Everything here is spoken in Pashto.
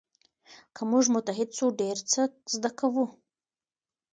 که موږ متحد سو ډېر څه زده کوو.